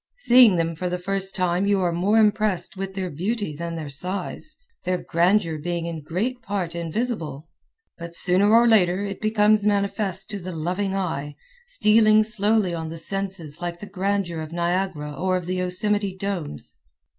Seeing them for the first time you are more impressed with their beauty than their size, their grandeur being in great part invisible; but sooner or later it becomes manifest to the loving eye, stealing slowly on the senses like the grandeur of Niagara or of the Yosemite Domes.